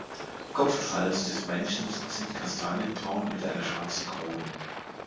Kopf und Hals des Männchens sind kastanienbraun mit einer schwarzen Krone.